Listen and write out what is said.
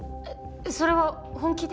それは本気で？